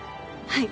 はい。